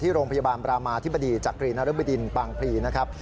โรงพยาบาลบรามาธิบดีจากกรีนรบดินบางพลีนะครับ